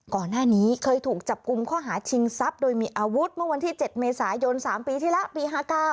ก่อนหน้านี้เคยถูกจับกลุ่มข้อหาชิงทรัพย์โดยมีอาวุธเมื่อวันที่๗เมษายน๓ปีที่แล้วปี๕๙